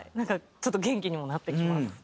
ちょっと元気にもなってきます。